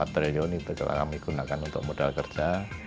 empat triliun itu kami gunakan untuk modal kerja